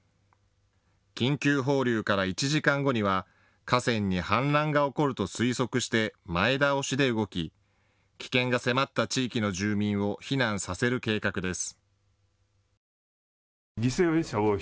緊急放流から１時間後には河川に氾濫が起こると推測して前倒しで動き、危険が迫った地域の住民を避難させる計画です。